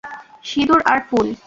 সিঁদুর আর ফুল!